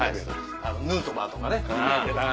ヌートバーとかね。